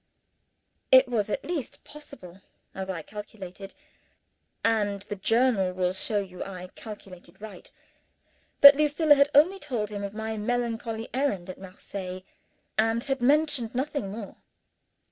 It was at least possible, as I calculated and the Journal will show you I calculated right that Lucilla had only told him of my melancholy errand at Marseilles, and had mentioned nothing more.